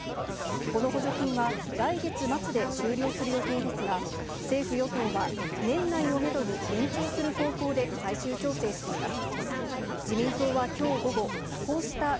この補助金は来月末で終了する予定ですが、政府・与党は年内をめどに延長する方向で最終調整しています。